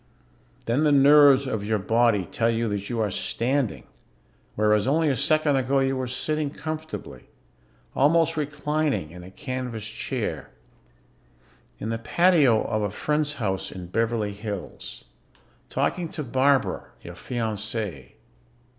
Then the nerves of your body tell you that you are standing, whereas only a second ago you were sitting comfortably, almost reclining, in a canvas chair. In the patio of a friend's house in Beverly Hills. Talking to Barbara, your fiancée.